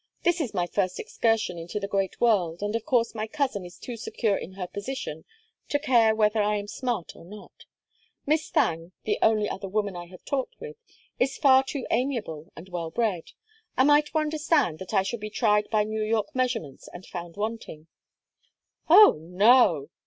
This is my first excursion into the great world, and of course my cousin is too secure in her position to care whether I am smart or not. Miss Thangue, the only other woman I have talked with, is far too amiable and well bred. Am I to understand that I shall be tried by New York measurements and found wanting?" "Oh no!"